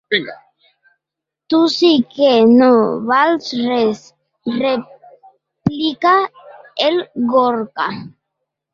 Tu sí que no vals res —replica el Gorka—.